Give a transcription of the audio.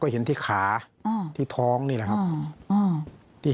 เห็นที่ขาที่ท้องนี่แหละครับ